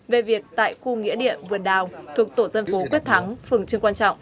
về việc tại khu nghĩa địa vườn đào thuộc tổ dân phố quyết thắng phường trương quang trọng